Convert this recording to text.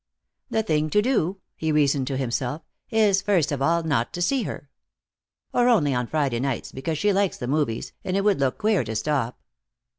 "The thing to do," he reasoned to himself, "is, first of all, not to see her. Or only on Friday nights, because she likes the movies, and it would look queer to stop."